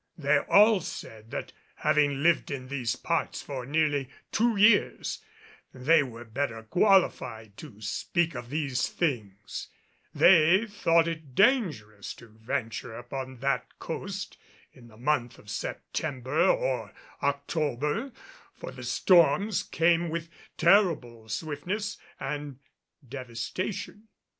They all said that having lived in these parts for nearly two years, they were better qualified to speak of these things; they thought it dangerous to venture upon that coast in the month of September or October, for the storms came with terrible swiftness and devastation.